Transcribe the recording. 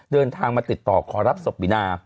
เดินทางมาติดต่อขอรับศพบีนา